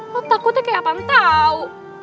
lo takutnya kayak apaan tau